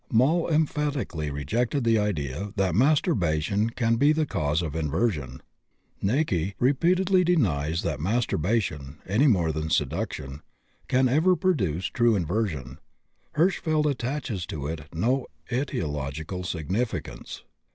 Moll emphatically rejected the idea that masturbation can be the cause of inversion; Näcke repeatedly denies that masturbation, any more than seduction, can ever produce true inversion; Hirschfeld attaches to it no etiological significance.